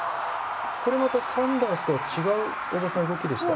これまたサンダースとは違う動きでしたか。